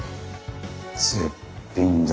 絶品だ。